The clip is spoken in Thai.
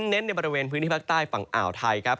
เน้นในบริเวณพื้นที่ภาคใต้ฝั่งอ่าวไทยครับ